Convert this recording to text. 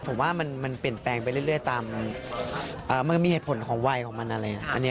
ผมว่ามันเปลี่ยนแปลงไปเรื่อยตามมันมีเหตุผลของวัยของมันอะไรอย่างนี้